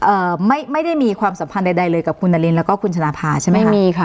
เอ่อไม่ไม่ได้มีความสัมพันธ์ใดใดเลยกับคุณนารินแล้วก็คุณชนะภาใช่ไหมไม่มีค่ะ